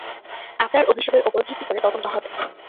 আপনার অভিযোগের উপর ভিত্তি করে তদন্ত হবে।